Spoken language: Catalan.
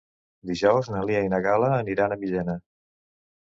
Dijous na Lia i na Gal·la aniran a Millena.